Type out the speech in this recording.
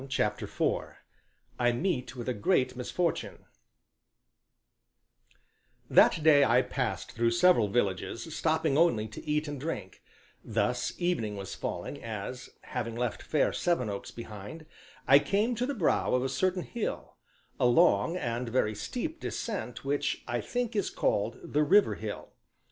CHAPTER IV I MEET WITH A GREAT MISFORTUNE That day I passed through several villages, stopping only to eat and drink; thus evening was falling as, having left fair Sevenoaks behind, I came to the brow of a certain hill, a long and very steep descent which (I think) is called the River Hill.